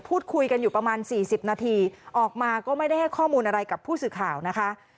พูดคุยกันอยู่ประมาณ๔๐นาทีออกมาก็ไม่ได้ให้ข้อมูลอะไรกับผู้สื่อข่าวนะคะ